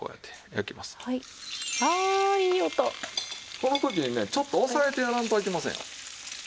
この時にねちょっと押さえてやらんとあきませんよ。